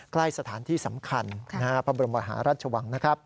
ใกล้สถานที่สำคัญณพระบรมวาหารัชวัง